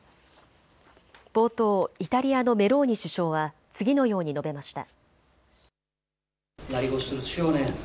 冒頭、イタリアのメローニ首相は次のように述べました。